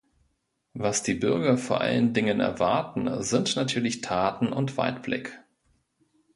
Was die Bürger vor allen Dingen erwarten, sind natürlich Taten und Weitblick.